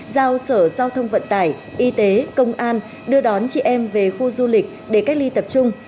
giao sở giao thông vận tải y tế công an đưa đón chị em về khu du lịch để cách ly tập trung